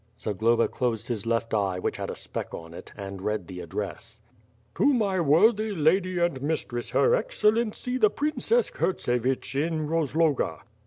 Zagloba closed his left eye which had a speck on it, and read the address. "To my worthy lady and mistress. Her Excel lency the Princes Kurtsevich, in Rozloga."